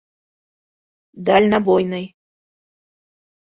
Дальнебойный.